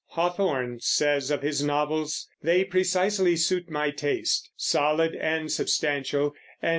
Hawthorne says of his novels: "They precisely suit my taste, solid and substantial, and